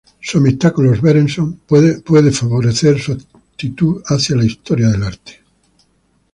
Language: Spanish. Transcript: Su amistad con los Berenson pude favorecer su actitud hacia la historia del arte.